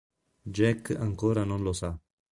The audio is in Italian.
Jack ancora non lo sa.